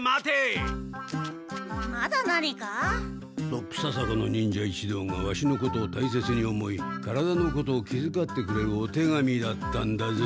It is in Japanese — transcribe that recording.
ドクササコの忍者一同がワシのことをたいせつに思い体のことを気づかってくれるお手紙だったんだぞ。